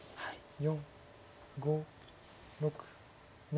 ４５６７。